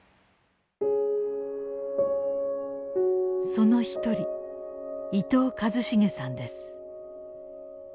その一人伊東和重さんです。